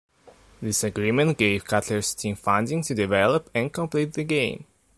This agreement gave Cutler's team funding to develop and complete the game.